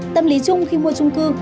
tâm lý chung khi mua trung cư